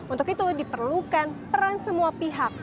untuk itu diperlukan peran semua pihak